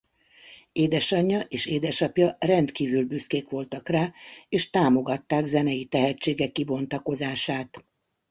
Édesanyja és édesapja rendkívül büszkék voltak rá és támogatták zenei tehetsége kibontakozását.